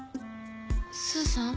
スーさん？